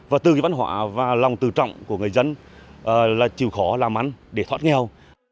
và từ cái văn hóa và lòng tự trọng của người dân là chịu khó làm ăn để thoát nghèo